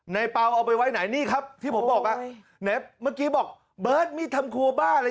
เปล่าเอาไปไว้ไหนนี่ครับที่ผมบอกอ่ะไหนเมื่อกี้บอกเบิร์ตมีดทำครัวบ้าเลย